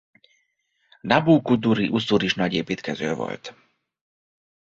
Nabú-kudurri-uszur is nagy építkező volt.